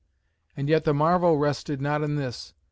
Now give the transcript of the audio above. And yet the marvel rested not in this.